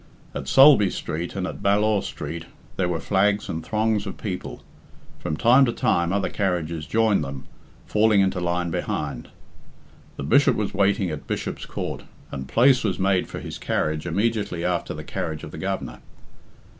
At Sulby Street, and at Ballaugh Street, there were flags and throngs of people. From time to time other carriages joined them, falling into line behind. The Bishop was waiting at Bishop's Court, and place was made for his carriage immediately after the carriage of the Governor.